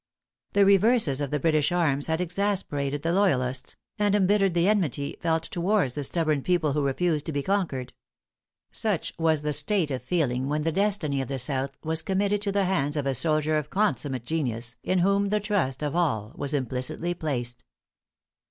The reverses of the British arms had exasperated the loyalists, and embittered the enmity felt towards the stubborn people who refused to be conquered. Such was the state of feeling when the destiny of the South was committed to the hands of a soldier of consummate genius, in whom the trust of all was implicitly placed.